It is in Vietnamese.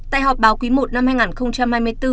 tại họp báo quý i năm hai nghìn hai mươi bốn